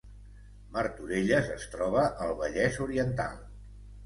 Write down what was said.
Martorelles es troba al Vallès Oriental